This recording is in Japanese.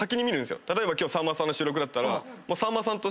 例えば今日さんまさんの収録だったら。